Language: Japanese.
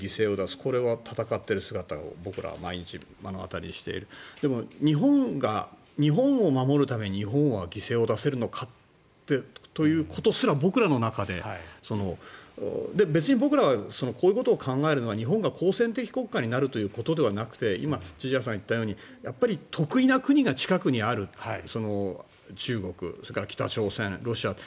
これは戦っている姿を僕らは毎日目の当たりにしているでも、日本を守るために日本は犠牲を出せるのかということすら僕らの中で別に僕らはこういうことを考えるのは日本が好戦的国家になるということではなくて今、千々岩さんが言ったように特異な国が近くにある中国、それから北朝鮮ロシア。